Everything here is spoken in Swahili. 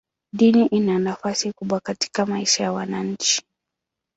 Dini ina nafasi kubwa katika maisha ya wananchi.